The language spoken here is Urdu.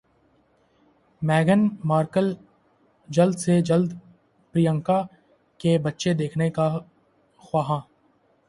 میگھن مارکل جلد سے جلد پریانکا کے بچے دیکھنے کی خواہاں